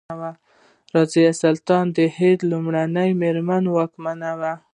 رضیا سلطانه د هند لومړۍ میرمن واکمنه وه.